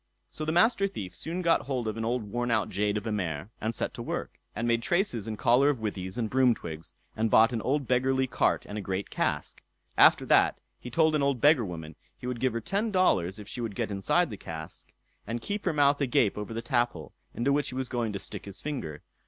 So the Master Thief soon got hold of an old worn out jade of a mare, and set to work, and made traces and collar of withies and broom twigs, and bought an old beggarly cart and a great cask. After that he told an old beggar woman, he would give her ten dollars if she would get inside the cask, and keep her mouth agape over the taphole, into which he was going to stick his finger.